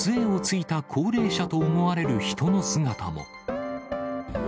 後ろにはつえをついた高齢者と思われる人の姿も。